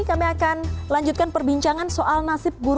kami akan lanjutkan perbincangan soal nasib guru